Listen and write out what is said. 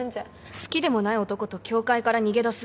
好きでもない男と教会から逃げ出す？